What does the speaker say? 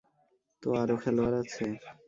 তো আরো খেলোয়াড় আছে?